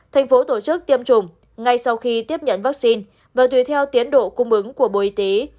thành phố tổ chức tiêm chủng ngay sau khi tiếp nhận vaccine và tùy theo tiến độ cung ứng của bộ y tế